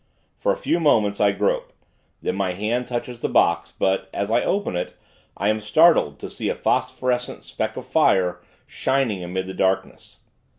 For a few moments, I grope; then my hand touches the box; but, as I open it, I am startled, to see a phosphorescent speck of fire, shining amid the darkness.